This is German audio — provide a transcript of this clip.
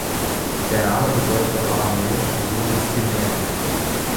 Der Name bedeutet auf aramäisch „Sohn des Timaeus“.